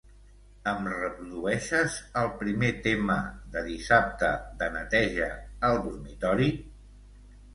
Ens reprodueixes el primer tema de "dissabte de neteja" al dormitori?